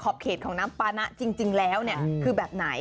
เขตของน้ำปานะจริงแล้วคือแบบไหน